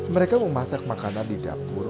mereka memasak makanan di dapur